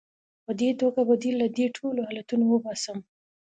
په دې توګه به دې له دې ټولو حالتونو وباسم.